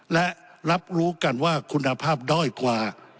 และรับรู้กันว่าคุณภาพด้อยกว่า